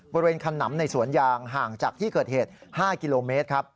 บริเวณคันนำในสวนยางห่างจากที่เกิดเหตุ๕กิโลเมตร